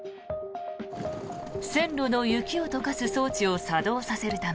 線路の雪を溶かす装置を作動させるため